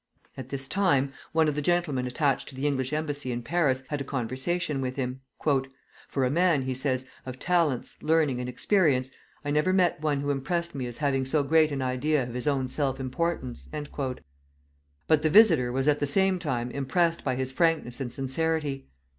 At this time one of the gentlemen attached to the English embassy in Paris had a conversation with him. "For a man," he says, "of talents, learning, and experience, I never met one who impressed me as having so great an idea of his own self importance;" but the visitor was at the same time impressed by his frankness and sincerity.